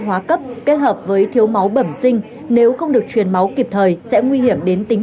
hóa cấp kết hợp với thiếu máu bẩm sinh nếu không được truyền máu kịp thời sẽ nguy hiểm đến tính